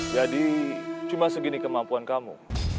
jadi cuma segini kemampuan kamu